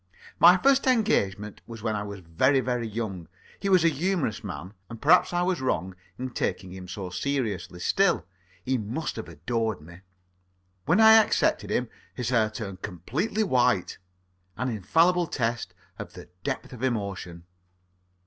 My first engagement was when I was very, very young. He was a humorous man, and perhaps I was wrong in taking him so seriously. Still, he must have adored me. When I accepted him his hair turned completely white an infallible test of the depth of emotion.